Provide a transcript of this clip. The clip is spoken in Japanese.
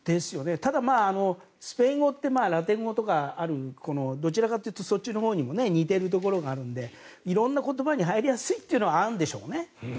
ただ、スペイン語ってラテン語とかあるどっちかというと、そっちに似ているところもあるので色んな言葉に入りやすいのはあるんでしょうね。